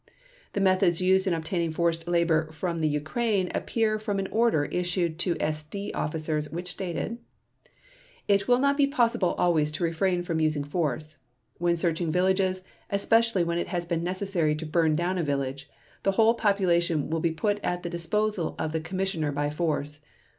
The methods used in obtaining forced labor from the Ukraine appear from an order issued to SD officers which stated: "It will not be possible always to refrain from using force .... When searching villages, especially when it has been necessary to burn down a village, the whole population will be put at the disposal of the Commissioner by force